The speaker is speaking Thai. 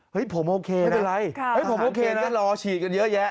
เห้ยผมโอเคนะผมโอเคนะเดี๋ยวรอฉีดกันเยอะแยะ